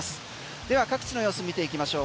では各地の様子見ていきましょう